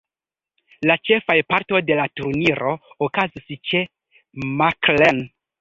La ĉefaj parto de la turniro okazis ĉe Mackhallen.